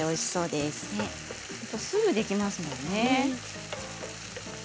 すぐできますものね。